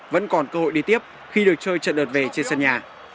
vẫn còn cơ hội đi tiếp khi được chơi trận đợt về trên sân nhà